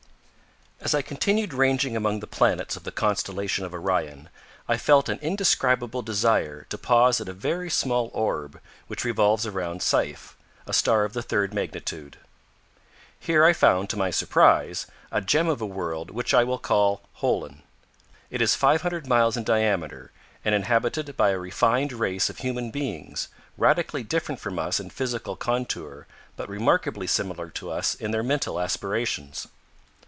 As I continued ranging among the planets of the constellation of Orion, I felt an indescribable desire to pause at a very small orb which revolves around Saiph, a star of the third magnitude. Here I found, to my surprise, a gem of a world which I will call Holen. It is five hundred miles in diameter, and inhabited by a refined race of human beings, radically different from us in physical contour, but remarkably similar to us in their mental aspirations.